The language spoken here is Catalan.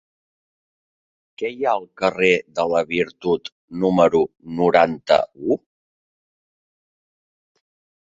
Què hi ha al carrer de la Virtut número noranta-u?